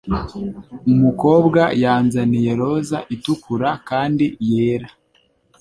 Umukobwa yanzaniye roza itukura kandi yera.